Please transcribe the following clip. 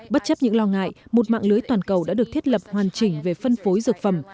bất chấp những lo ngại một mạng lưới toàn cầu đã được thiết lập hoàn chỉnh về phân phối dược phẩm